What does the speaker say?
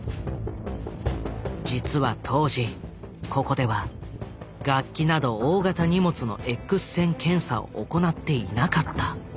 実は当時ここでは楽器など大型荷物のＸ線検査を行っていなかった。